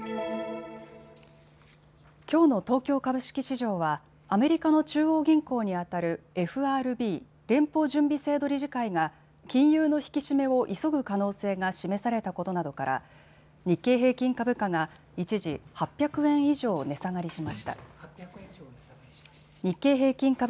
きょうの東京株式市場はアメリカの中央銀行にあたるＦＲＢ・連邦準備制度理事会が金融の引き締めを急ぐ可能性が示されたことなどから日経平均株価が８００円以上値下がりしました。